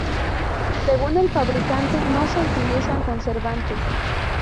Según el fabricante, no se utilizan conservantes.